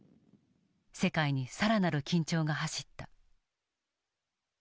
世界に更なる緊張が走った。